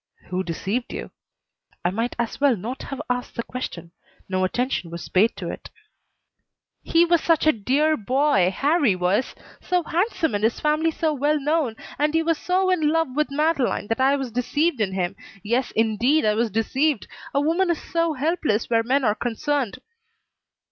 "Who deceived you?" I might as well not have asked the question. No attention was paid to it. "He was such a dear boy, Harrie was. So handsome and his family so well known, and he was so in love with Madeleine that I was deceived in him. Yes indeed, I was deceived. A woman is so helpless where men are concerned."